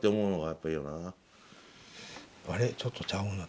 あれちょっとちゃうな。